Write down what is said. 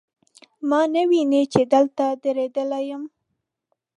ما نه ویني، چې دلته دریدلی یم